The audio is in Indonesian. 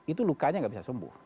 itu lukanya nggak bisa sembuh